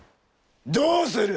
どうする？